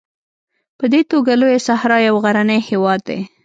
په دې توګه لویه صحرا یو غرنی هېواد دی.